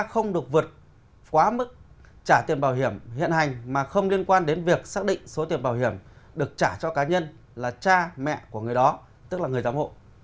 không được vượt quá mức trả tiền bảo hiểm hiện hành mà không liên quan đến việc xác định số tiền bảo hiểm được trả cho cá nhân là cha mẹ của người đó tức là người giám hộ